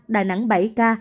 đà nẵng bảy ca